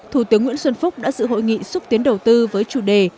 thủ tướng nguyễn xuân phúc đã dự hội nghị xúc tiến đầu tư với chủ đề